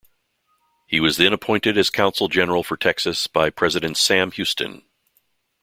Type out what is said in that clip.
He was then appointed as consul general for Texas by President Sam Houston.